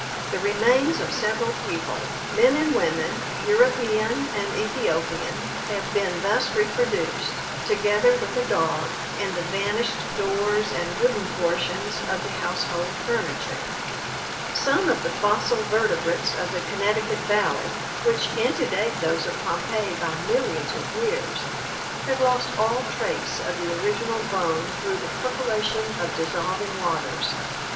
The remains of several people, men and women, European and Ethiopian, have been thus reproduced, together with a dog (see PL VIII) and the vanished doors and wooden portions of the household furniture. Some of the fossil vertebrates of the Connecticut valley, which antedate those of Pompeii by millions of years, have lost all trace of the original bone through the percolation of dissolving waters.